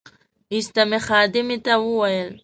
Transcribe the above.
ایسته مې خدمې ته وویل.